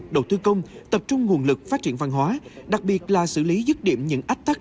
đầu tư công tập trung nguồn lực phát triển văn hóa đặc biệt là xử lý dứt điểm những ách tắc